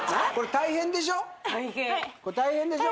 大変大変でしょ？